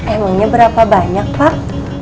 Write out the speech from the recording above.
emangnya berapa banyak pak